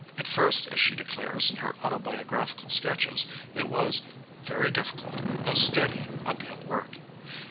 At first, as she declares in her autobiographical sketches, it was "very difficult, though steady, uphill work.